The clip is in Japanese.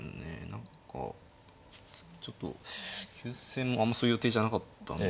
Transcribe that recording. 何かちょっと急戦あんまする予定じゃなかったんで。